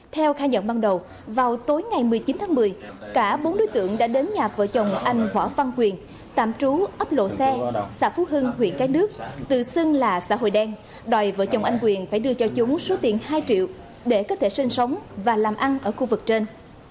theo khai nhận ban đầu vào tối ngày một mươi chín tháng một mươi cả bốn đối tượng đã đến nhà vợ chồng anh võ văn quyền tạm trú ấp lộ xe xã phú hưng huyện cái nước tự xưng là xã hội đen đòi vợ chồng anh quyền phải đưa cho chúng số tiền hai triệu để có thể sinh sống và làm ăn ở khu vực trên